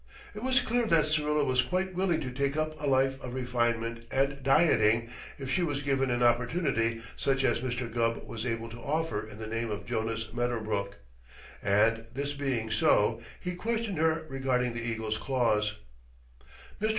It was clear that Syrilla was quite willing to take up a life of refinement and dieting if she was given an opportunity such as Mr. Gubb was able to offer in the name of Jonas Medderbrook; and, this being so, he questioned her regarding the eagle's claws. "Mr.